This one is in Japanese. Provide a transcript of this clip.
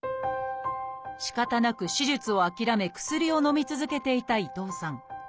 しかたなく手術を諦め薬をのみ続けていた伊藤さん。